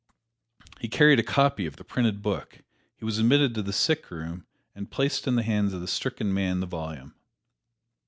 He carried a copy of the printed book he was admitted to the sick room, and placed in the hands of the stricken man the volume.